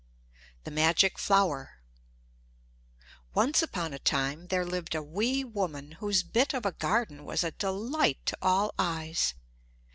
THE MAGIC FLOWER Once upon a time there lived a wee woman whose bit of a garden was a delight to all eyes.